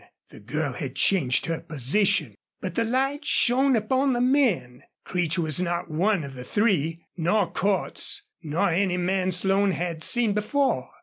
The girl had changed her position. But the light shone upon the men. Creech was not one of the three, nor Cordts, nor any man Slone had seen before.